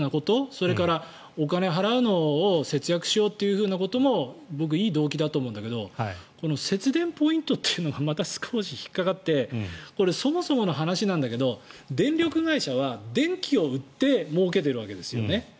それからお金払うのを節約しようというのも僕、いい動機だと思うんだけど節電ポイントというのがまた少し引っかかってこれ、そもそもの話なんだけど電力会社は電気を売ってもうけているわけですよね。